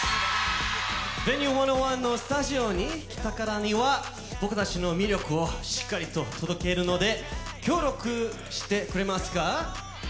「Ｖｅｎｕｅ１０１」のスタジオに来たからには僕たちの魅力をしっかりと届けるので協力してくれますか？